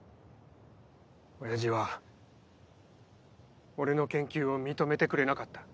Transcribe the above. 親父は俺の研究を認めてくれなかった。